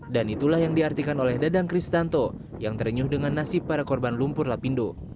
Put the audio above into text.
dan itulah yang diartikan oleh dadang kristanto yang terenyuh dengan nasib para korban lumpur lapindo